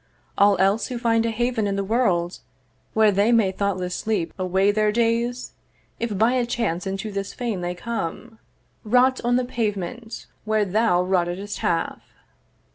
'All else who find a haven in the world, 'Where they may thoughtless sleep away their days, 'If by a chance into this fane they come, 'Rot on the pavement where thou rottedst half.'